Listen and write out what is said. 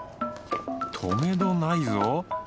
とめどないぞ。